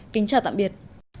kính chào tạm biệt